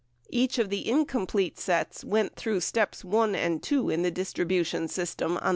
Each of the in complete sets went through steps (1) and (2) in the distribution 90 See e.g.